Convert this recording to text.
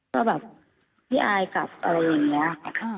ก็แบบพี่อายกลับอะไรอย่างนี้ค่ะ